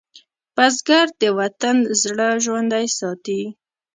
بزګر د وطن زړه ژوندی ساتي